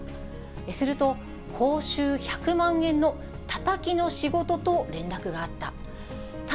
すると、報酬１００万円のタタキの仕事と連絡があった。